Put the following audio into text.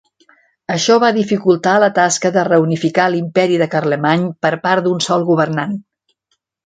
Això va dificultar la tasca de reunificar l'imperi de Carlemany per part d'un sol governant.